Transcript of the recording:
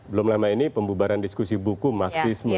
belum lama ini pembubaran diskusi buku maksisme